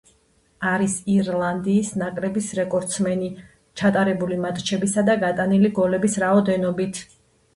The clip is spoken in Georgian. არის ირლანდიის ნაკრების რეკორდსმენი ჩატარებული მატჩებისა და გატანილი გოლების რაოდენობით.